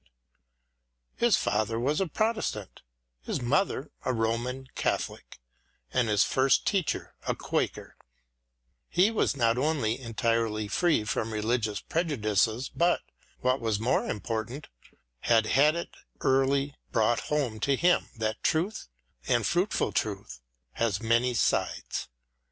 With his father a Protestant, his mother a Roman Catholic, and his first teacher a Quaker, he was not only entirely free from religious prejudices but, what was more important, had had it early brought home to him that truth, and fruitful truth, has many sides.